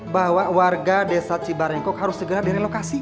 bahwa warga desa cibarengkok harus segera direlokasi